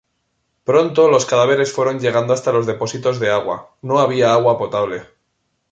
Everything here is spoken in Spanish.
Pronto los cadáveres fueron llegando hasta los depósitos de agua, no había agua potable.